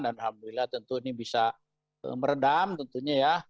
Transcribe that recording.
dan alhamdulillah tentu ini bisa meredam tentunya ya